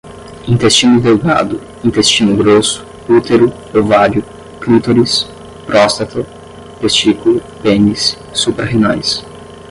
intestino delgado, intestino grosso, útero, ovário, clítoris, próstata, testículo, pênis, suprarrenais